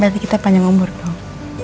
berarti kita panjang umur dong